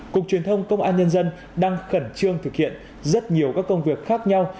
cục truyền thông công an nhân dân đang khẩn trương thực hiện rất nhiều các công việc khác nhau